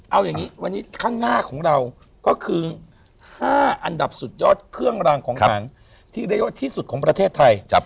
เอาอย่างนี้วันนี้ข้างหน้าของเราก็คือ๕อันดับสุดยอดเครื่องรางของขังที่เรียกว่าที่สุดของประเทศไทย